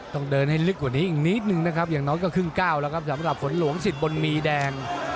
ต้องเดินให้ลึกกว่านี้อีกนิดนึงนะครับอย่างน้อยก็ครึ่งก้าวแล้วครับสำหรับฝนหลวงสิทธิบนมีแดง